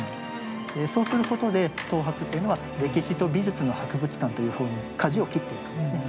そうすることで東博というのは歴史と美術の博物館というふうにかじを切っていくんですね。